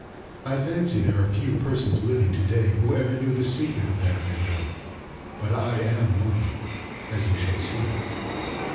I fancy there are few persons living to day who ever knew the secret of that window, but I am one, as you shall see.